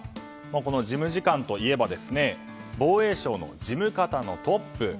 この事務次官といえば防衛省の事務方のトップ。